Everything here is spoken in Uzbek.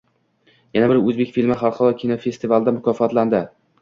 Yana bir o‘zbek filmi xalqaro kinofestivalda mukofotlanding